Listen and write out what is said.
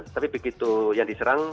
tapi begitu yang diserang